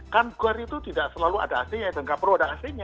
kan gor itu tidak selalu ada ac nya dan nggak perlu ada ac nya